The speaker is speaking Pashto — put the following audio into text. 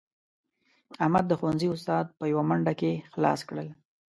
احمد د ښوونځي اسناد په یوه منډه کې خلاص کړل.